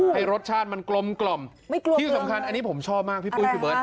ให้รสชาติมันกลมกล่อมที่สำคัญอันนี้ผมชอบมากพี่ปุ้ยพี่เบิร์ต